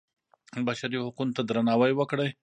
بشري حقونو ته درناوی وکړئ